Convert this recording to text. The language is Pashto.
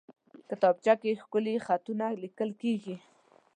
کتابچه کې ښکلي خطونه لیکل کېږي